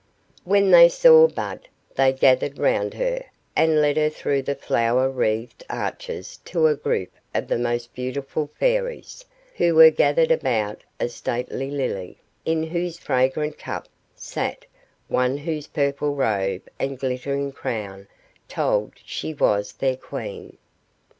When they saw Bud, they gathered round her, and led her through the flower wreathed arches to a group of the most beautiful Fairies, who were gathered about a stately lily, in whose fragrant cup sat one whose purple robe and glittering crown told she was their Queen.